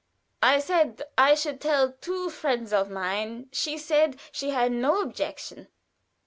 I said I should tell two friends of mine she said she had no objection.